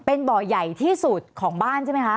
เป็นบ่อใหญ่ที่สุดของบ้านใช่ไหมคะ